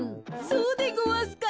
そうでごわすか？